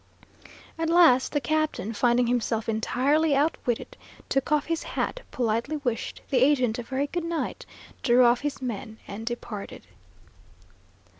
At last the captain, finding himself entirely outwitted, took off his hat, politely wished the agent a very good night, drew off his men and departed.